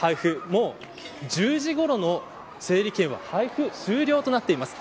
もう１０時ごろの整理券は配布終了となっています。